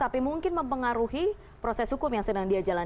tapi mungkin mempengaruhi proses hukum yang sedang dia jalani